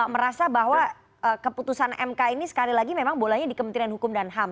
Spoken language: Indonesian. merasa bahwa keputusan mk ini sekali lagi memang bolanya di kementerian hukum dan ham